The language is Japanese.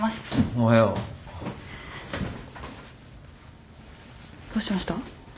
おはよう。どうしました？